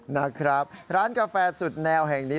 นะครับร้านกาแฟสุดแนวแห่งนี้